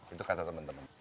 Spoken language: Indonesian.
itu kata temen temen